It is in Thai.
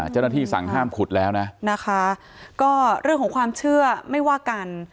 เจ้าหน้าที่สั่งห้ามขุดแล้วนะนะคะก็เรื่องของความเชื่อไม่ว่ากัน